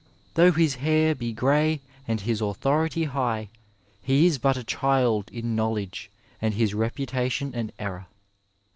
'' Though his hair be grey and his authority high, he is but a child in knowledge and his reputation ain error.